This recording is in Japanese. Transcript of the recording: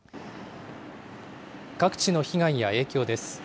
各地の被害や影響です。